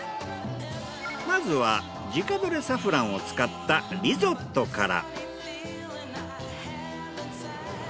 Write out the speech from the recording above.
まずは自家採れサフランを使ったリゾットから。